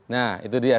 nah itu dia